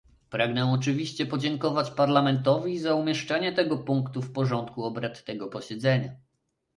Pragnę oczywiście podziękować Parlamentowi za umieszczenie tego punktu w porządku obrad tego posiedzenia